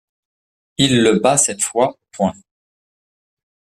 Il le bat cette fois aux points.